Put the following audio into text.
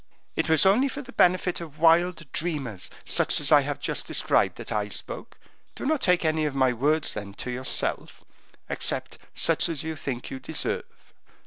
"It was only for the benefit of wild dreamers, such as I have just described, that I spoke; do not take any of my words, then, to yourself, except such as you think you deserve.